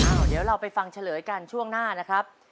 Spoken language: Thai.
เดี๋ยวเราไปฟังเฉลยกันช่วงหน้านะครับ